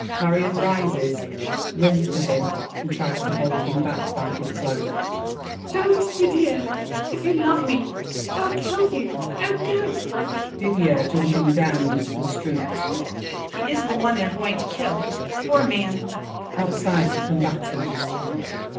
Marion rises, runs to him and tries to hold him back by his cloak. MARION. Don't, Didier, if you love me! They'll kill you! Don't go! DIDIER (jumping down into the street). He is the one they're going to kill! Poor man! [Outside, to combatants.